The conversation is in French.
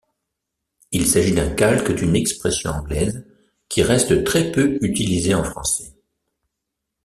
Il s'agit d'un calque d'une expression anglaise, qui reste très peu utilisée en français.